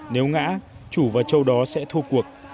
nếu ngã chủ và châu đó sẽ thua cuộc